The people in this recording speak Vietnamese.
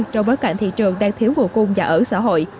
trong bối cảnh thị trường đang thiếu nguồn cung nhà ở xã hội